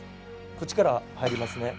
こっちから入りますね。